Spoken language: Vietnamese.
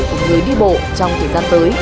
của người đi bộ trong thời gian tới